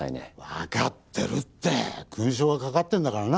わかってるって勲章が懸かってんだからな。